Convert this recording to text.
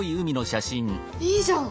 いいじゃん！